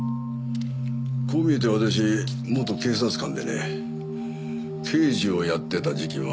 こう見えて私元警察官でね刑事をやってた時期もあるんだ。